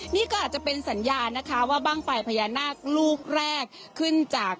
นี่ก็อาจจะเป็นสัญญาณนะคะว่าบ้างไฟพญานาคลูกแรกขึ้นจาก